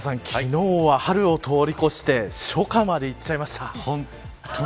昨日は春を通り越して初夏までいっちゃいました。